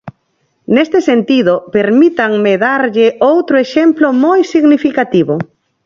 Neste sentido permítanme darlle outro exemplo moi significativo.